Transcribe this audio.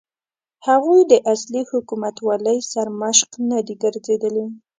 هغوی د اصلي حکومتولۍ سرمشق نه دي ګرځېدلي.